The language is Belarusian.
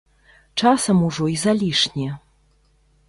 Часам ужо і залішне.